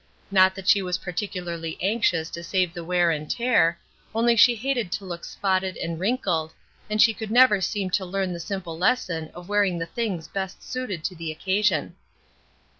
Not that she was particularly anxious to save the wear and tear, only she hated to look spotted and wrinkled, and she could never seem to learn the simple lesson of wearing the things best suited to the occasion.